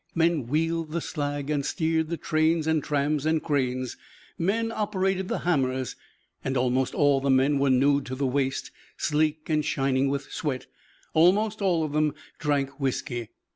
Men wheeled the slag and steered the trains and trams and cranes. Men operated the hammers. And almost all of the men were nude to the waist, sleek and shining with sweat; almost all of them drank whisky.